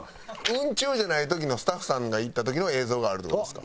雲中じゃない時のスタッフさんが行った時の映像があるという事ですか。